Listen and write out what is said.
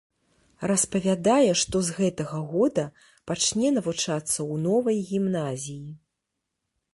Распавядае, што з гэтага года пачне навучацца ў новай гімназіі.